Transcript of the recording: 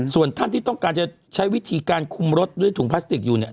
ส่วนท่านที่ต้องการจะใช้วิธีการคุมรถด้วยถุงพลาสติกอยู่เนี่ย